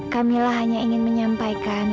kamilah hanya ingin menyampaikan